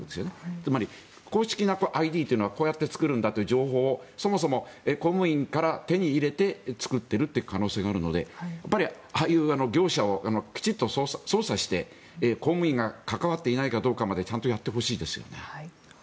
つまり公式なＩＤというのはこうやって作るんだという情報をそもそも公務員から手に入れて作っているという可能性があるのでああいう業者をきちっと捜査して公務員が関わっていないかどうかまでちゃんとやってほしいですよね。